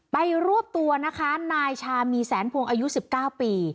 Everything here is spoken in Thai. รวบตัวนะคะนายชามีแสนพวงอายุ๑๙ปี